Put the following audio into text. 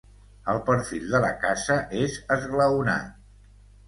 El perfil de la casa és esglaonat.